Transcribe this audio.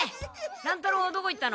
乱太郎はどこ行ったの？